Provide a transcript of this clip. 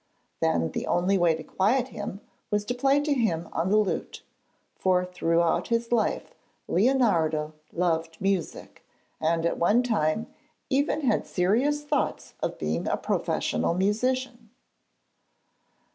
Then the only way to quiet him was to play to him on the lute; for throughout his life Leonardo loved music, and at one time even had serious thoughts of being a professional musician.